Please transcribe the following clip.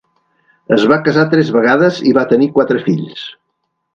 Es va casar tres vegades i va tenir quatre fills.